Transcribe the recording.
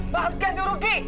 maksudnya itu rugi